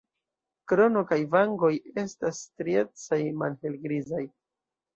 Krono kaj vangoj estas striecaj malhelgrizaj.